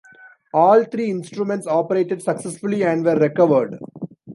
All three instruments operated successfully and were recovered.